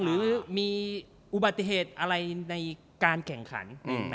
หรือมีอุบัติเหตุอะไรในการแข่งขัน